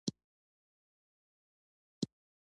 آمو سیند د افغانستان د کلتوري میراث برخه ده.